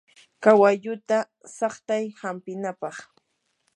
kawalluta saqtay hampinapaq.